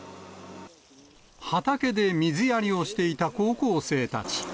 畑で水やりをしていた高校生たち。